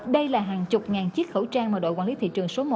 đây là hàng chục ngàn chiếc khẩu trang mà đội quản lý thị trường số một